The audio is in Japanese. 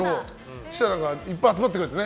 そうしたらいっぱい集まってくれてね。